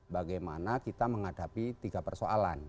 bagaimana kita menghadapi tiga persoalan